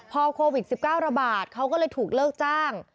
พอโควิด๑๙ระบาดเขาก็เลยถูกเลิกจ้าง